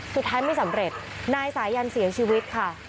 สุดท้ายไม่สำเร็จนายสายันเสียชีวิตค่ะ